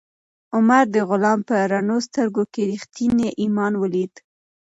عمر د غلام په رڼو سترګو کې ریښتینی ایمان ولید.